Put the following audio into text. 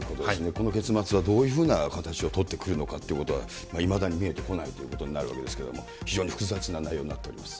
この結末はどういうふうな形を取ってくるのかということは、いまだに見えてこないということになるわけですけれども、非常に複雑な内容になっています。